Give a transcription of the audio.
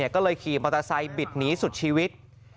ก็เลยขี่มอเตอร์ไซค์บิดหนีสุดชีวิต